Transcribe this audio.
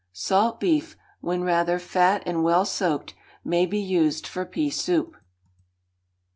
Salt beef, when rather fat and well soaked, may be used for pea soup.